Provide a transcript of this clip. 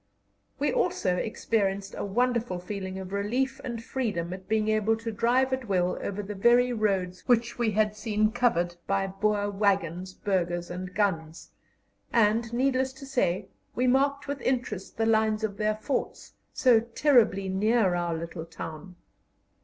We also experienced a wonderful feeling of relief and freedom at being able to drive at will over the very roads which we had seen covered by Boer waggons, burghers, and guns, and, needless to say, we marked with interest the lines of their forts, so terribly near our little town.